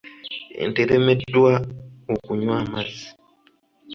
Ente eremereddwa okunywa amazzi.